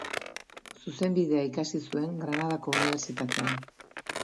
Zuzenbidea ikasi zuen Granadako Unibertsitatean.